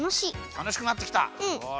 たのしくなってきた！